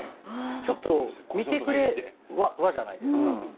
ちょっと見てくれ和じゃないですか。